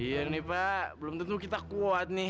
iya nih pak belum tentu kita kuat nih